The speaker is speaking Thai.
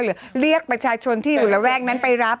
หรือเรียกประชาชนที่หละแว่งนั้นไปรับ